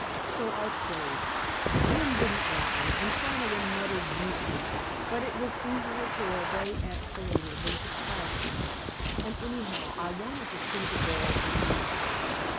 So I stayed. Jim didn't want me, and Flannigan muttered mutiny. But it was easier to obey Aunt Selina than to clash with her, and anyhow I wanted to see the barrel in use.